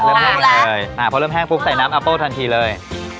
เริ่มแห้งเลยอ่าเพราะเริ่มแห้งฟุกใส่น้ำอัปโต้ทันทีเลย